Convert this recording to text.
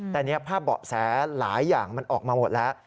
แต่ภาพเบาะแสหลายอย่างมันออกมาหมดแล้ว